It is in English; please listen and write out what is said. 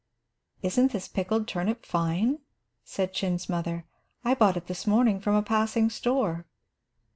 "Isn't this pickled turnip fine?" said Chin's mother. "I bought it this morning from a passing store."